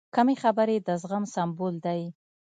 کمې خبرې، د زغم سمبول دی.